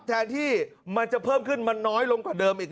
แทนที่มันจะเพิ่มขึ้นมันน้อยลงกว่าเดิมอีก